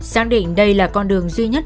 xác định đây là con đường duy nhất